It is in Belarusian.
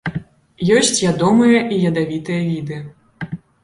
Ёсць ядомыя і ядавітыя віды.